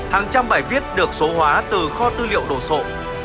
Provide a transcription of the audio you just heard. hàng trăm bài viết được số hóa từ kho tư liệu đồ sộ